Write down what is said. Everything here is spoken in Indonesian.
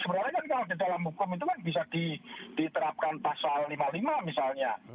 sebenarnya kan kalau di dalam hukum itu kan bisa diterapkan pasal lima puluh lima misalnya